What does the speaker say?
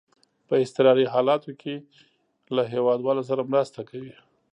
په اضطراري حالاتو کې له هیوادوالو سره مرسته کوي.